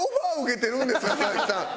佐々木さん。